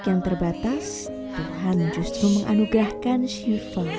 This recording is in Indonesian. yang terbatas tuhan justru menganugahkan siva